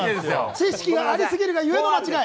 知識がありすぎるがゆえの間違い。